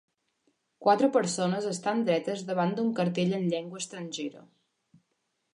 Quatre persones estan dretes davant d'un cartell en llengua estrangera.